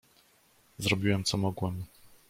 "Zrobiłem co mogłem."